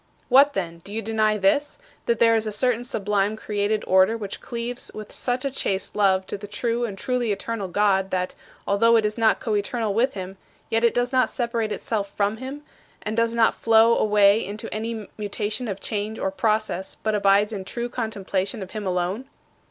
"What then? Do you deny this: that there is a certain sublime created order which cleaves with such a chaste love to the true and truly eternal God that, although it is not coeternal with him, yet it does not separate itself from him, and does not flow away into any mutation of change or process but abides in true contemplation of him alone?"